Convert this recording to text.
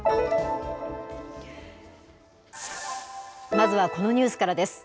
まずはこのニュースからです。